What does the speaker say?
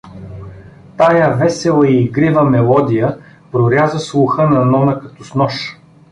Тая весела и игрива мелодия проряза слуха на Нона като с нож.